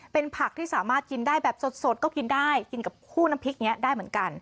เป็นผักที่สามารถกินได้แบบสดก็กินได้กินกับคู่น้ำพริกนี้ได้เหมือนกัน